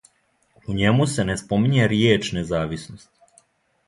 У њему се не спомиње ријеч независност.